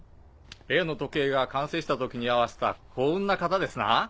例の時計が完成した時に居合わせた幸運な方ですな。